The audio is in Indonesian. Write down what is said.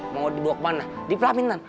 mau dibawa kemana di pelaminan